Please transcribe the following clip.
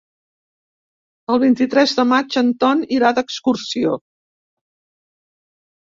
El vint-i-tres de maig en Ton irà d'excursió.